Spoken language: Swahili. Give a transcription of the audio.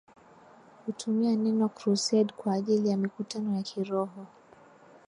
kutumia neno Crusade kwa ajili ya mikutano ya kiroho